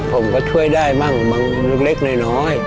ผมก็ช่วยได้บ้างมันเล็กหน่อย